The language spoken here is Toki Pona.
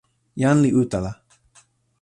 jan li utala.